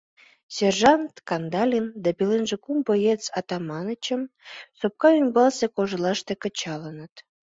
...Сержант Кандалин да пеленже кум боец Атаманычым сопка ӱмбалсе кожлаште кычалыныт.